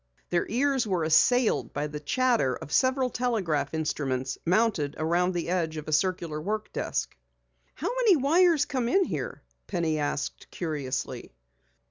Their ears were assailed by the chatter of several telegraph instruments mounted around the edge of a circular work desk. "How many wires come in here?" Penny asked curiously.